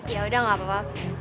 ya udah gak apa apa